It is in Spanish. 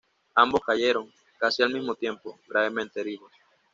Ambos cayeron, casi al mismo tiempo, gravemente heridos.